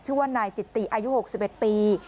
ชื่อว่านายจิตติอายุ๖๑ปี